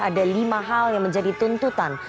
ada lima hal yang menjadi tuntutan